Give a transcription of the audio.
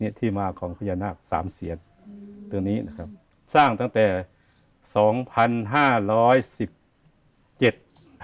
ที่มาของพญานาคสามเสียนตัวนี้นะครับสร้างตั้งแต่สองพันห้าร้อยสิบเจ็ด